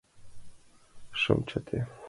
Шым чыте!